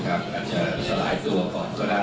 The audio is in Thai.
อาจจะสลายตัวก่อนก็ได้